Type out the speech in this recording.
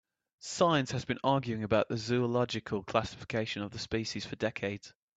Science has been arguing about the zoological classification of the species for decades.